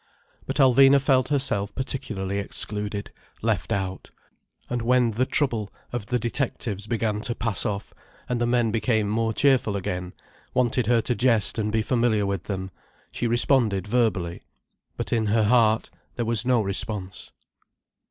But Alvina felt herself particularly excluded, left out. And when the trouble of the detectives began to pass off, and the men became more cheerful again, wanted her to jest and be familiar with them, she responded verbally, but in her heart there was no response.